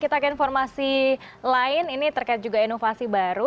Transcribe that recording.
kita ke informasi lain ini terkait juga inovasi baru